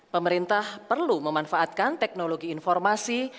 pemerintah perlu memanfaatkan teknologi informasi